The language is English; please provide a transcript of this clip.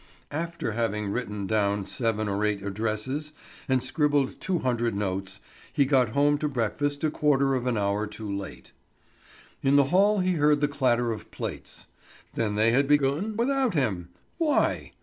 After having written down seven or eight addresses and scribbled two hundred notes, he got home to breakfast a quarter of an hour too late. In the hall he heard the clatter of plates. Then they had begun without him! Why?